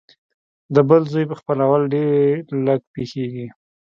د بل زوی خپلول ډېر لږ پېښېږي